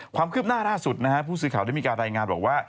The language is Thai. ความคืบหน้าล่าสุดนะฮะผู้สื่อข่าวได้มีการรายงานบอกว่า